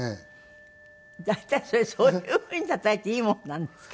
大体それそういうふうにたたいていいもんなんですか？